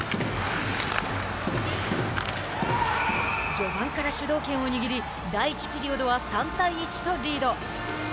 序盤から主導権を握り第１ピリオドは３対１とリード。